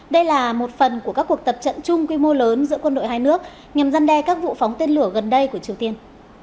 đây là một phần của các cuộc tập trận chung quy mô lớn giữa quân đội hai nước nhằm giăn đe các vụ phóng tên lửa gần đây của triều tiên